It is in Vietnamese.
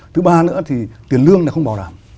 thứ ba nữa thì tiền lương lại không bảo đảm